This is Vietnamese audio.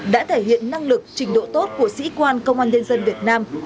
đã thể hiện năng lực trình độ tốt của sĩ quan công an liên dân việt nam